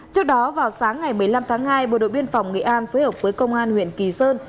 trước đó vào sáng ngày một mươi năm tháng hai bộ đội biên phòng nghệ an phối hợp với công an huyện kỳ sơn